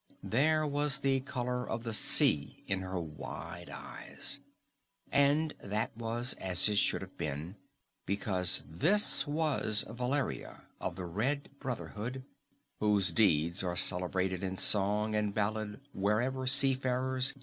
There was the color of the sea in her wide eyes. And that was as it should have been, because this was Valeria of the Red Brotherhood, whose deeds are celebrated in song and ballad wherever seafarers gather.